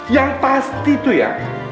yang pasti tuh ya